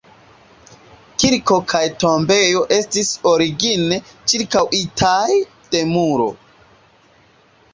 Kirko kaj tombejo estis origine ĉirkaŭitaj de muro.